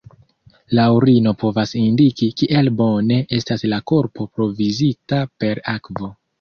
La urino povas indiki, kiel bone estas la korpo provizita per akvo.